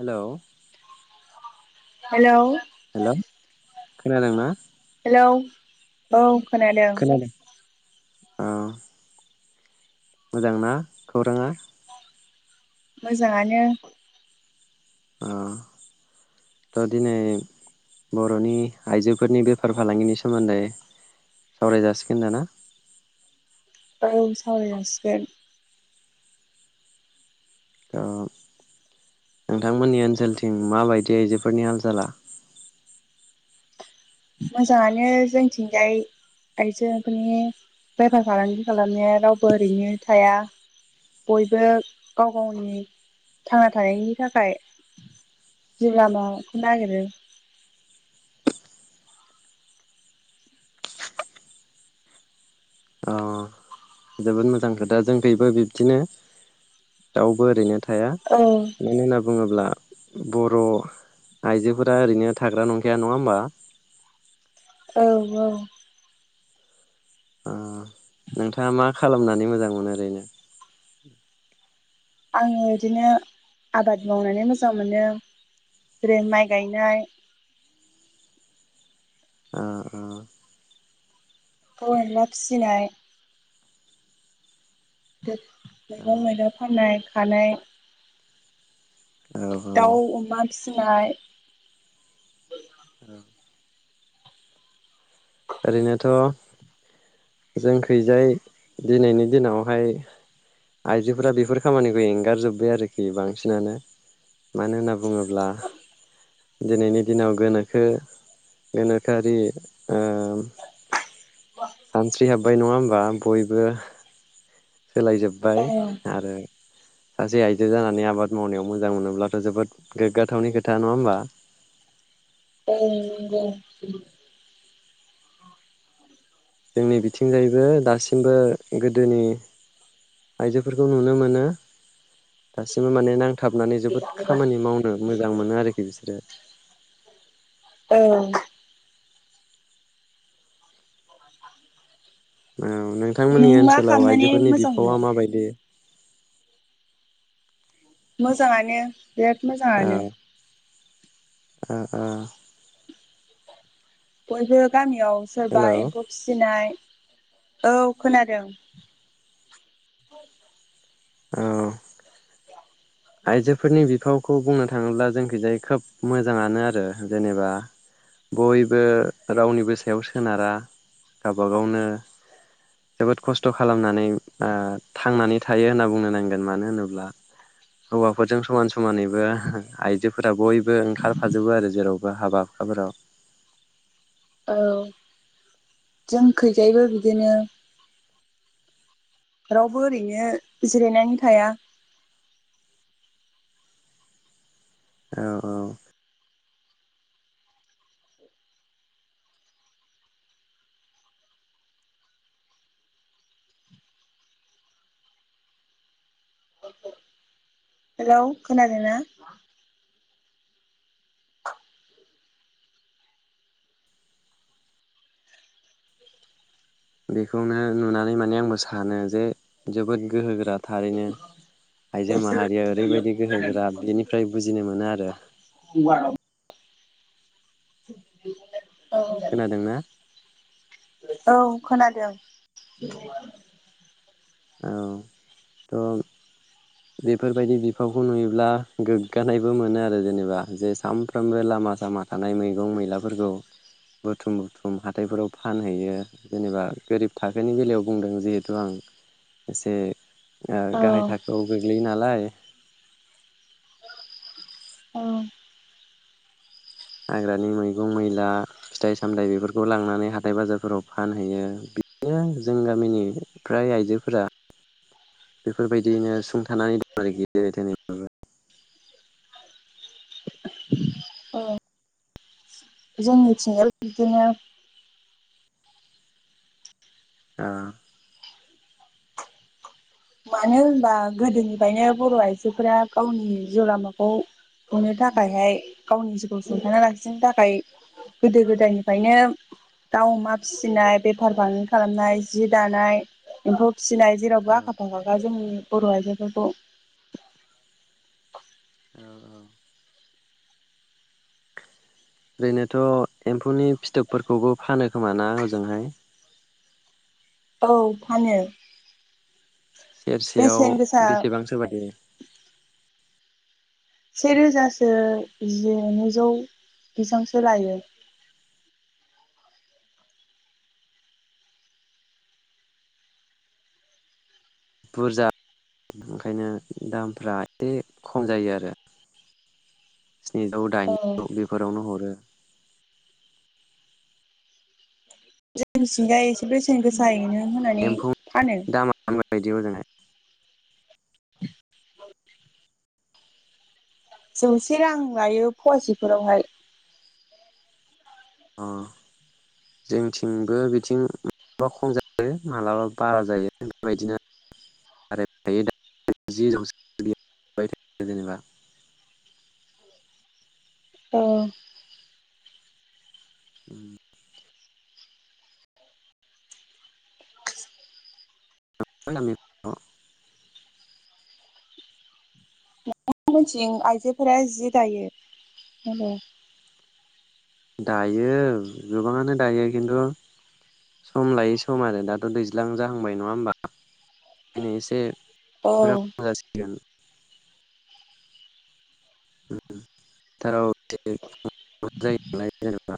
Hello hello hello खोनादोंना hello औ खोनादों औ मोजांना खौराङा मोजाङानो अ थ' दिनै बर'नि आइजोफोरनि बेफार फालांगिनि सोमोन्दै सावराय जासिगोन दा ना औ सावराय जासिगोन थ' नोंथांमोननि ओनसोलथिं माबायदि आइजोफोरनि हाल साला मोजाङानो जोंथिंजाय आइजोफोरनि बेफार फालांगि खालामनाया रावबो ओरैनो थाया बयबो गाव गावनि थांना थानायनि थाखाय जिउ लामाखौ नागिरो अ जोबोद मोजां खोथा जोंखैबो बिब्दिनो दाउबो ओरैनो थाया थाया औ मानो होनना बुङोब्ला बर' आइजोफोरा ओरैनो थाग्रा नंखाया नङा होमबा औ औ ओ नोंथाङा मा खालामनानै मोजां मोनो ओरैनो आङो बिदिनो आबाद मावनानै मोजां मोनो जेरै माइ गायनाय ओ ओ एम्फौ एनला फिसिनाय [inaudible] ओ मैगं मैला फाननाय खानाय औ फिनाय औ ओरैनोथ' जोंखैजाय दिनैनि दिनावहाय आइजोफोरा बेफोर खामानिखौ एंगारजोब्बाय आरोखि बांसिनानो मानो होनना बुङोब्ला दिनैनि दिनाव गोनोखो गोनोखोआरि ओ सानस्रि हाबाय नङा होमबा बयबो सोलाय जोब औ बाय आरो सासे आइजो जानानै आबाद मावनायाव मोजां मोनोब्लाथ' जोबोद गोग्गाथावनि खोथा नङा होमबा ओं नोंगौ जोंनि बिथिंजायैबो दासिमबो गोदोनि आइजोफोरखौ नुनो मोनो दासिमबो माने नांथाबनानै जोबोद खामानि मावनो मोजां मोनो आरोखि बिसोरो ओं [inaudible] औ नोंथांमोननि नों मा ओनसोलाव खालामनानै आइजोफोरनि मोजां मोनो? बिफावा माबायदि मोजाङानो बिराथ औ मोजाङानो ओ ओ बयबो गामि याव सोरबा हेलौ एम्फौ फिसिनाय औ खोनादों औ [unintelligible] आइजोफोरनि बिफावखौ बुंनो थाङोब्ला जोंखिजाय खोब मोजाङानो आरो जेनेबा बयबो रावनिबो सायाव सोनारा गावब गावनो जोबोद खस्थ' खालामनानै आ थांनानै थायो होनना बुंनो नांगोन मानो होनोब्ला हौवाफोरजों समान समानैबो आइजोफोरा बयबो बो ओंखारफाजोबो आरो जेराव हाबा हुखाफोराव ओ जोंखैजायबो बिदिनो रावबो ओरैनो जिरायनानै थाया औ औ हेलौ खोनादोंना बेखौनो नुनानै माने आंबो सानो जे जोबोद गोहो गोरा थारैनो आइजो माहारिया ओरैबायदि गोहोगोरा बेनिफ्राय बुजिनो मोनो आरो खोनादोंना [inaudible] औ औ खोनादोंं औ त' बेफोरबायदि बिफावखौ नुयोब्ला गोग्गानायबो मोनो आरो जेनेबा जे सानफ्रोमबो लामा सामा थानाय मैगं मैलाफोरखौ बुथुम बुथुम हाथायफोराव फानहैयो जेनेबा गोरिब थाखोनि बेलायाव बुंदों जिहेथु आं एसे ओ औ गाहाय थाखोआव यो नालाय औ हाग्रानि मैगं मैला फिथाइ सामथाइ बेफोरखौ लांनानै हाथाय बाजारफोराव फानहैयो बिनो जों गामिनि फ्राय आइजोफोरा बेफोरबायदियैनो सुंथानानै दं आरोखि जाब जोंनिथिंबो बिदिनो अ मानो होनबा गोदोनिफ्रायनो बर' आइजोफोरा गावनि जिउ लामाखौ हनो थाखायहाय गावनि जिउखौ सुंथाना लाखिनो थाखाय गोदो गोदायनिफ्रायनो दाउ अमा फिसिनाय बेफार फालांगि खालामनाय जि दानाय एम्फौ सिलाय जेरावबो औ आखा फाखा खा जोंनि बर' आइजोफोरखौ औ औ ओरैनोथ' एम्फौनि फिथोबफोरखौबो फानो खोमाना हजोंहाय? औ फानो सेरसेयाव बेसेन गोसा बेसेबांसो बादि? सेेरोजासो जि नैजौ बिजांसो लायो। बुरजा ओंखायनो दामफ्रा एसे खम जायो आरो स्निजौ औ दाइनजिदौ बेफोरावनो हरो। जोंनिथिंजाय एसे बेसेन गोसा जायैनो होननानै फानो बायदियाव जोंङो [inaudible] जौसे रां लायो फुवासेफोरावहाय अ जोंथिंबो बिथिं माबबा खम जायो मालाबा बारा जायो बेबायदिनो बारायबाय थायो जौ थ जेनेबा औ उम [unintelligible] नोंथां मोननिथिं आइजोफोरा जि दायो दायो गोबाङानो दायो खिन्थु सम लायै सम आरो दाथ' दैज्लां जाहांबाय नङा होमबा खायनो एसे औ [unintelligible] मासिगोन थाराव एसे जायो नालाय जेनेबा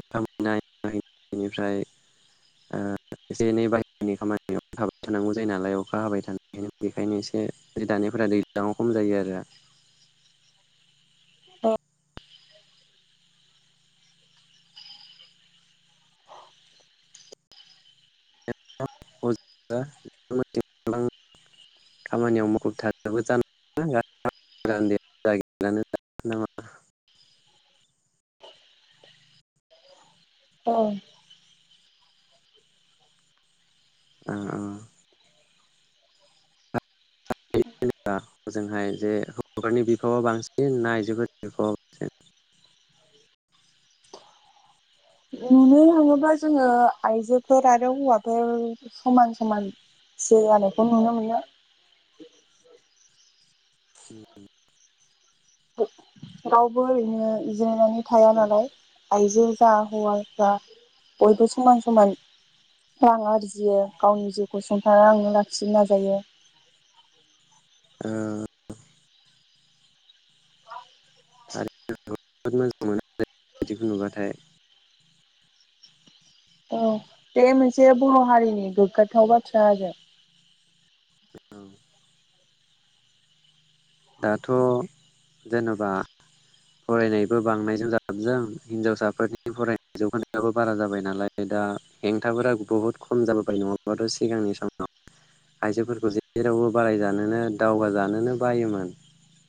ओखामनाय बेनिफ्राय एसे एनै बाहेरनि खामानियाव थाबाय थानांगौ जायो नालाय अखा हाबाय थानाय बेखायनो एसे दानायफोरा दैज्लांव खम जायो आरो खामानियाव [unintelligible] मुखुब थाजोबो जानांगौ [unintelligible] औ अ अ [unintelligible] हजोंहाय जे हौफोरनि बिफावा बांसिन ना आइजोफोरनि बिफावा बांसिन? नुनो थाङोबा जोङो आइजोफोर आरो हौवाफोर समान समान ज जानायखौ नुनो मोनो उम रावबो ओरैनो जिरायनानै थाया नालाय आइजो जा हौवाफ्रा बयबो समान समान रां आरजियो गावनि जिउखौ सुंथानानै लांनो लाखिनो नाजायो। ओ थारैनो नंगौ जोबोद मोजां मोनो बिदिखौ नुबाथाय औ बे मोनसे बर' हारिनि गोग्गाथाव बाथ्रा आरो दाथ' जेनेबा फरायनायबो बांनायजों जाबजों हिनजावसाफोरनि फरायनाय जौगानायाबो बारा जाबाय नालाय दा हेंथाफोरा बहुद खम जाबोबाय नङाबाथ' सिगांनि समाव आइजोफोरखौ जेरावबो बारायजानोनो दावगाजानोनो बायोमोन [inaudible]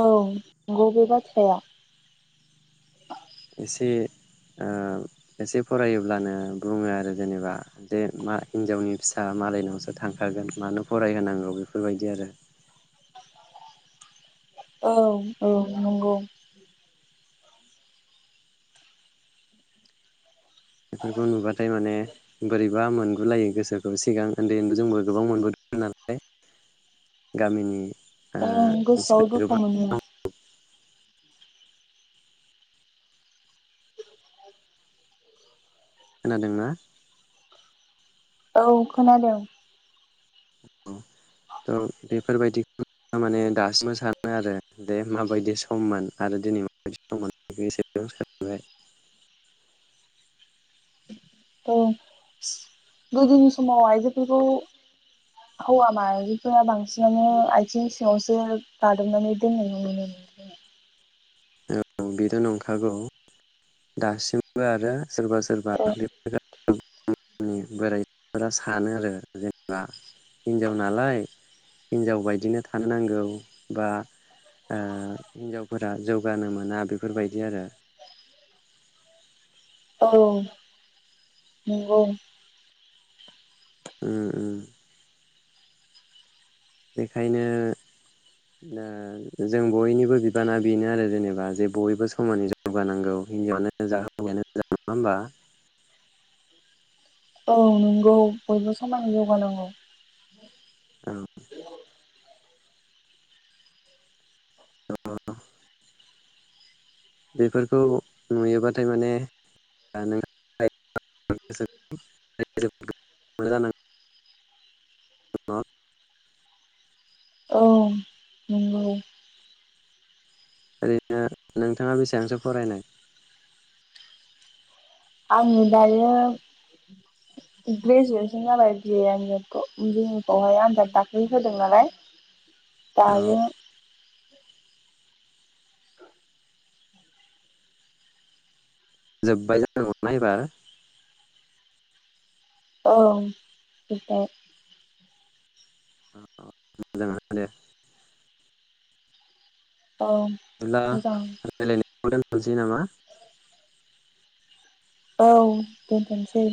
औ नंगौ बे बाथ्राया एसे ओ एसे फरायोब्लानो बुङो आरो जेनेबा जे मा हिनजावनि फिसा मालायनावसो थांखगोन मानो फरायहोनांगौ बेफोरबायदि आरो औ औ नंगौ बेफोरखौ नुबाथाय माने बोरैबा मोन लायो गोसोखौ सिगां उन्दै उन्दै जोंबो गोबां मोनबोदों नालाय गामिनि ओ ओं गोसोआव मानसिफोरा दुखु गोबां मोनो खोनादोंना औ खोनादों थ' बेफोरबायदि माने दासिमबो सानो आरो दे माबायदि सममोन आरो दिनै माबायदि सम मोन एसेबां सानबाय ओ गोदोनि समाव आइजोफोरखौ हौवा माहारिफोरा बांसिनानो बांसिनानो आथिं सिङावसो दादबनानै दोननाय नुुनो मोन औ बेथ नंखागौ दासिमबो आरो सोरबा सोरबा [unintelligible] नि बोराइफोरा सानो आरो जेनेबा हिनजाव नालाय हिनजाव बायदिनो थानो नांगौ बा ओ हिनजावफोरा जौ जौगानो मोना बेफोरबायदि आरो औ नंगौ उ उम बेखायनो ओ जों बयनिबो बिबाना बेनो आरो जेनेबा जे जों बयबो समानै जौगानांगौ हिन्जावानो जा हिानो नङा होमबा औ नंगौ बयबो समान जौगानांगौ औ अ बेफोरखौ नुयोबाथाय माने नों [unintelligible] [unintelligible] औ नंगौ ओरैनो नोंथाङा बेसेबांसो फरायनाय आं दायो ग्रेजुवेसन जाबाय बिए एम ए खौ बि खौहाय आं दा दाखालि होदों नालाय औ दायो [inaudible] जोब्बाय जानाय नङा एबार औ जोबबाय मोजाङानो दे औ ब्ला मोजां [unintelligible] मेल [unintelligible] जनेेबा औ दोन्थनोसै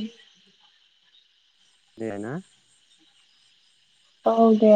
देना औ दे